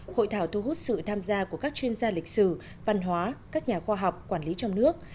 hội thảo thu hút sự tham gia của các chuyên gia lịch sử văn hóa các nhà khoa học quản lý trong nước